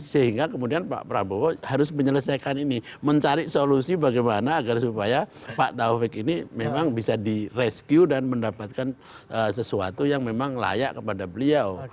sehingga kemudian pak prabowo harus menyelesaikan ini mencari solusi bagaimana agar supaya pak taufik ini memang bisa di rescue dan mendapatkan sesuatu yang memang layak kepada beliau